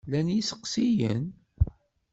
Llan yisteqsiyen?